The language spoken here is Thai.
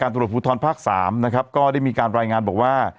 ตำรวจภูทรภาค๓นะครับก็ได้มีการรายงานบอกว่า